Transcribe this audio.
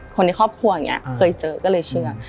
คนในครอบครัวอย่างนี้เคยเจอก็เลยเชื่อ